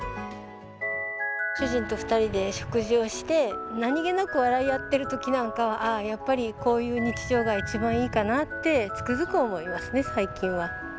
主人と２人で食事をして何気なく笑い合ってるときなんかは「ああ、やっぱりこういう日常が一番いいかな」ってつくづく思いますね、最近は。